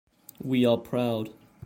We are proud.